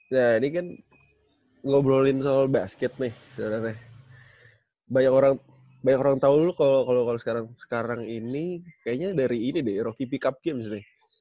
nah ini kan ngobrolin soal basket nih sebenernya banyak orang tau lo kalo sekarang ini kayaknya dari ini deh rocky pick up games nih